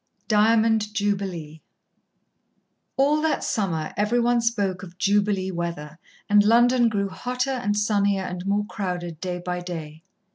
XV Diamond Jubilee All that summer every one spoke of "Jubilee weather," and London grew hotter and sunnier and more crowded day by day.